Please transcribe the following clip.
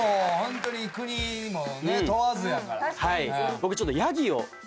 僕ちょっと。